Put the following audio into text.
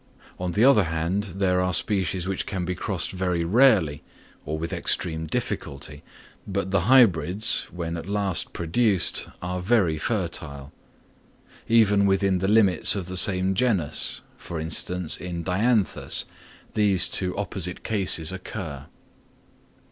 On the other hand, there are species which can be crossed very rarely, or with extreme difficulty, but the hybrids, when at last produced, are very fertile. Even within the limits of the same genus, for instance in Dianthus, these two opposite cases occur.